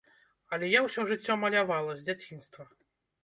Але я ўсё жыццё малявала, з дзяцінства.